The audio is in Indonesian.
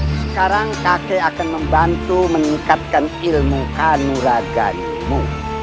sekarang kakek akan membantu meningkatkan ilmu kanuraganmu